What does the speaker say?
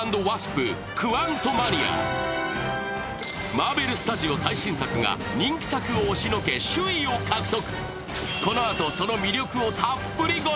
マーベルスタジオ最新作が人気作を押し退け首位を獲得。